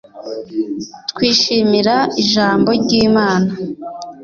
Twishimira Ijambo ry Imana